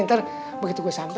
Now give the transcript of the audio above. ntar begitu gue sampe